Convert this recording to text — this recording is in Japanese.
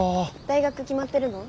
大学決まってるの？